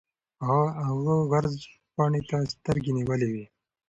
هغه عرض پاڼې ته سترګې نیولې وې.